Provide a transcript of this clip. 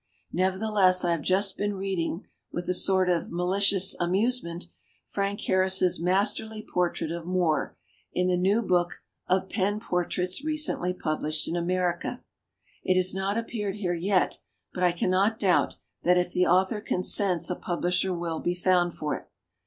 Nevertheless, I have just been reading with a sort of malicious amusement Frank Harris's masterly portrait of Moore in the new book of pen por traits recently published in America. It has not appeared here yet, but I can not doubt that if the author consents a publisher will be found for it.